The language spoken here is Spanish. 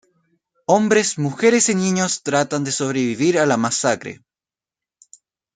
Hombres, mujeres y niños tratan de sobrevivir a la masacre.